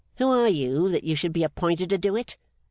Who are you, that you should be appointed to do it?